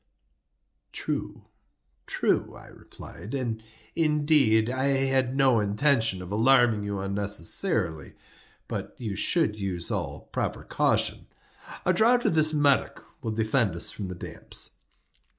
"True—true," I replied; "and, indeed, I had no intention of alarming you unnecessarily—but you should use all proper caution. A draught of this Medoc will defend us from the damps."